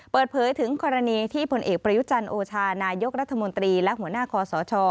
เปิดเผยถึงกรณีที่ผลเอกประยุจันทร์โอชานายกรัฐมนตรีและหัวหน้าคอสช